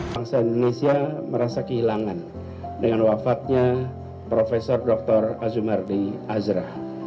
bangsa indonesia merasa kehilangan dengan wafatnya prof dr azumardi azra